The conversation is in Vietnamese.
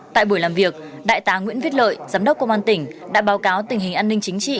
tại buổi làm việc đại tá nguyễn viết lợi giám đốc công an tỉnh đã báo cáo tình hình an ninh chính trị